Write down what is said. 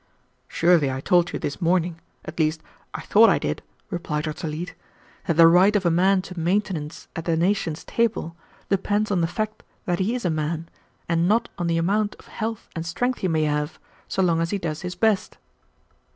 "Surely I told you this morning, at least I thought I did," replied Dr. Leete, "that the right of a man to maintenance at the nation's table depends on the fact that he is a man, and not on the amount of health and strength he may have, so long as he does his best."